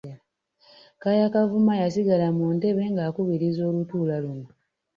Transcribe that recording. Kaaya Kavuma yasigala mu ntebe ng’akubiriza olutuula luno.